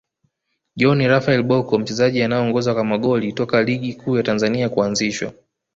John Raphael Bocco Mchezaji anayeongoza kwa magori toka ligi kuu Tanzania kuanzishwa